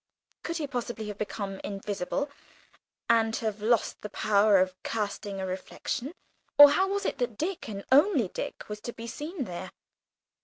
Could he possibly have become invisible and have lost the power of casting a reflection or how was it that Dick, and only Dick, was to be seen there?